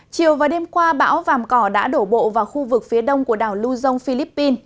chiều và đêm qua bão vàm cỏ đã đổ bộ vào khu vực phía đông của đảo lưu dông philippines